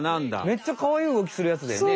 めっちゃかわいいうごきするやつだよね。